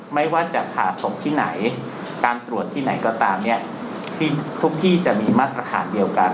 ไม่ว่าจะผ่าศพที่ไหนการตรวจที่ไหนก็ตามเนี่ยที่ทุกที่จะมีมาตรฐานเดียวกัน